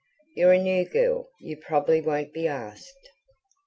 "You're a new girl; you probably won't be asked."